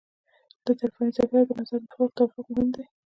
د طرفینو ظرفیت او د نظر توافق مهم دي.